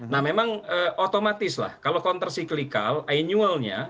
nah memang otomatis lah kalau counter cyclical annual nya